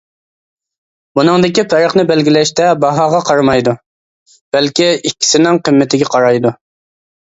بۇنىڭدىكى پەرقنى بەلگىلەشتە باھاغا قارىمايدۇ، بەلكى ئىككىسىنىڭ قىممىتىگە قارايدۇ.